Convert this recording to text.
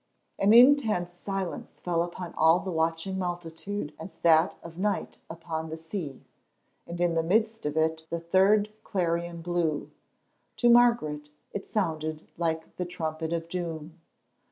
An intense silence fell upon all the watching multitude as that of night upon the sea, and in the midst of it the third clarion blew—to Margaret it sounded like the trump of doom.